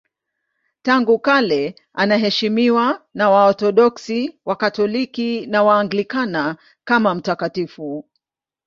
Tangu kale anaheshimiwa na Waorthodoksi, Wakatoliki na Waanglikana kama mtakatifu.